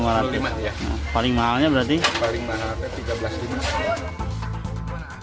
masyarakat berharap harga beras akan turun lagi menjadi sebelas rupiah untuk yang berkualitas super sudah matang